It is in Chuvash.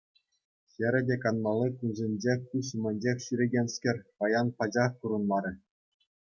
Хӗрӗ те канмалли кунсенче куҫ умӗнчех ҫӳрекенскер паян пачах курӑнмарӗ.